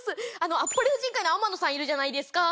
あっぱれ婦人会の天野さんいるじゃないですか。